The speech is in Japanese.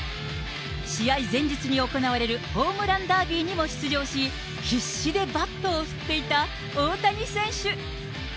試合前日に行われるホームランダービーにも出場し、必死でバットを振っていた大谷選手。